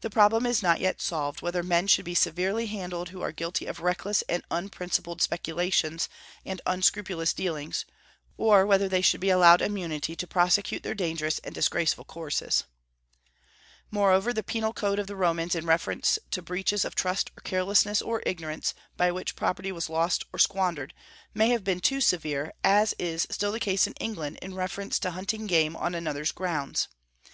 The problem is not yet solved, whether men should be severely handled who are guilty of reckless and unprincipled speculations and unscrupulous dealings, or whether they should be allowed immunity to prosecute their dangerous and disgraceful courses. Moreover, the penal code of the Romans in reference to breaches of trust or carelessness or ignorance, by which property was lost or squandered, may have been too severe, as is still the case in England in reference to hunting game on another's grounds.